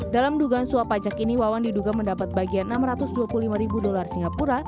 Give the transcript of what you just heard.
dalam dugaan suap pajak ini wawan diduga mendapat bagian enam ratus dua puluh lima ribu dolar singapura